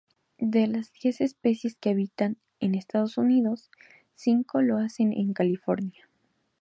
De las diez especies que habitan en Estados Unidos, cinco lo hacen en California.